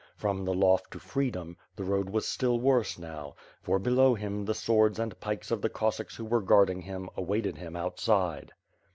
From the loft to free dom, the road was still worse now, for below him the swords and pikes of the Cossacks who were guarding him, awaited him outside.